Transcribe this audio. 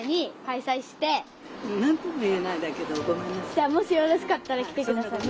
じゃあもしよろしかったら来てください。